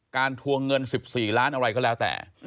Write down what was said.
ทวงเงิน๑๔ล้านอะไรก็แล้วแต่